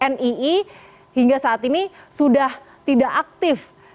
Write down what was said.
nii hingga saat ini sudah tidak aktif